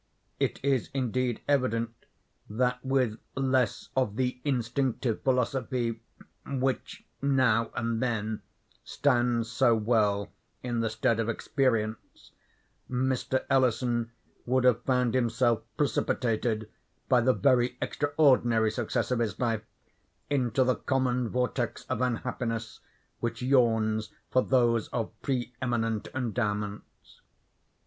It is indeed evident that with less of the instinctive philosophy which, now and then, stands so well in the stead of experience, Mr. Ellison would have found himself precipitated, by the very extraordinary success of his life, into the common vortex of unhappiness which yawns for those of pre eminent endowments.